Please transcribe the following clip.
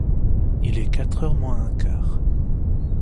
Il est quatre heures moins un quart.